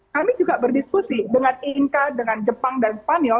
kami juga berdiskusi dengan inka dengan jepang dan spanyol